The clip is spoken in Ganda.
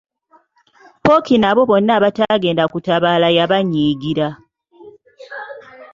Pookino abo bonna abataagenda kutabaala yabanyiigira.